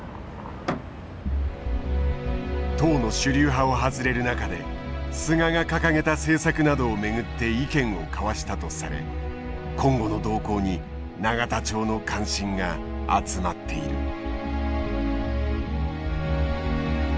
党の主流派を外れる中で菅が掲げた政策などを巡って意見を交わしたとされ今後の動向に永田町の関心が集まっている。